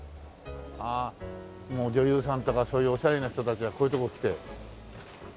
ああもう女優さんとかそういうオシャレな人たちがこういう所来て。